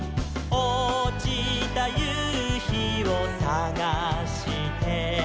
「おちたゆうひをさがして」